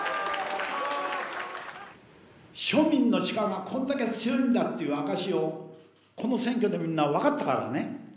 庶民の力がこれだけ強いんだっていう証しをこの選挙でみんなわかったからね。